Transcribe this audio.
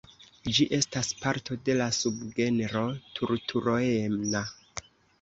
Ĝi estas parto de la subgenro "Turturoena".